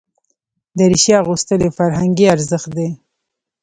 دریشي اغوستل یو فرهنګي ارزښت دی.